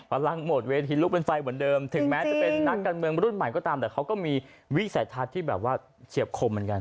กำลังหมดเวทีลุกเป็นไฟเหมือนเดิมถึงแม้จะเป็นนักการเมืองรุ่นใหม่ก็ตามแต่เขาก็มีวิสัยทัศน์ที่แบบว่าเฉียบคมเหมือนกัน